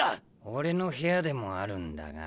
俺の部屋でもあるんだが。